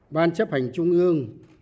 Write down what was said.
ban chấp hành trung ương đã thống dụng